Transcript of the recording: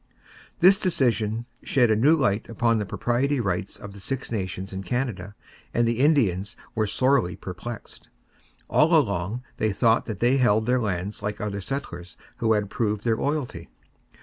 This decision shed a new light upon the proprietary rights of the Six Nations in Canada and the Indians were sorely perplexed. All along they thought that they held their lands like other settlers who had proved their loyalty.